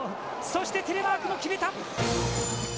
そしてテレマークも決めた。